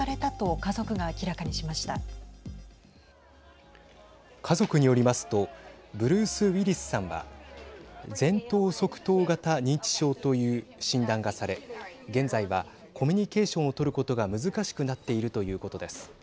家族によりますとブルース・ウィリスさんは前頭側頭型認知症という診断がされ現在はコミュニケーションを取ることが難しくなっているということです。